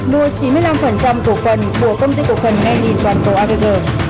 đua chín mươi năm tổ phần của công ty tổ phần ngay nhìn toàn cầu ard